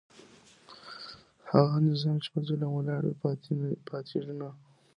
هغه نظام چي په ظلم ولاړ وي پاتیږي نه.